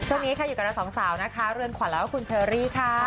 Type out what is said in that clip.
ตอนนี้อยู่กันละ๒สาวเรื่องขวัญคุณฉ้อรี่ค่ะ